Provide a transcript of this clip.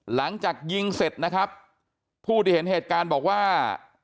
หลังจากยิงเสร็จนะครับผู้ที่เห็นเหตุการณ์บอกว่า